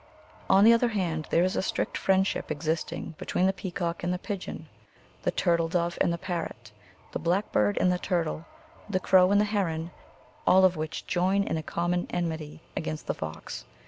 On the other hand, there is a strict friendship existing be tween the peacock and the pigeon, the turtle dove and the parrot, the blackbird and the turtle, the crow and the heron, all of which join in a common enmity against the fox.